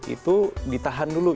itu ditahan dulu